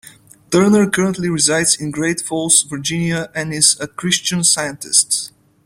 Turner currently resides in Great Falls, Virginia, and is a Christian Scientist.